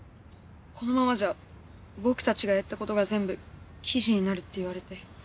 このままじゃ僕たちがやった事が全部記事になるって言われて。